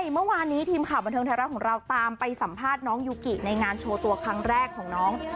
เมื่อวานนี้ทีมข่าวบันเทิงไทยรัฐของเราตามไปสัมภาษณ์น้องยูกิในงานโชว์ตัวครั้งแรกของน้อง